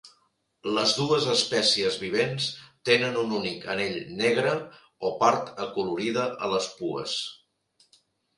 Les dues espècies vivents tenen un únic anell negre o part acolorida a les pues.